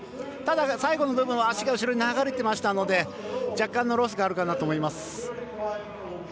ただ、最後の部分足が後ろに流れてましたので若干のロスがあるかなと思います。